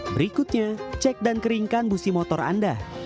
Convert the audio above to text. berikutnya cek dan keringkan busi motor anda